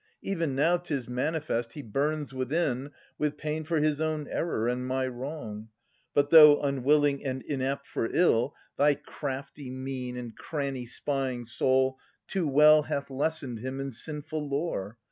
Even now 'tis manifest he burns within With pain for his own error and my wrong. But, though unwilling and inapt for ill. Thy crafty, mean, and cranny spying soul Too well hath lessoned him in sinful lore.